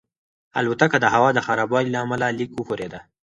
الوتکه د هوا د خرابوالي له امله لږه وښورېده.